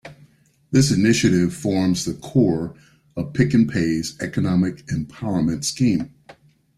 This initiative forms the core of Pick n Pay's economic empowerment scheme.